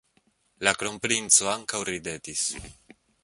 La kronprinco ankaŭ ridetis.